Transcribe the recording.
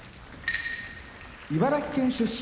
茨城県出身